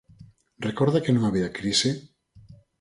¿Recorda que non había crise?